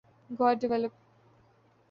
Guadeloupe